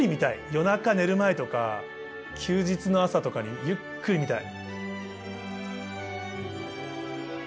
夜中寝る前とか休日の朝とかにゆっくり見たい。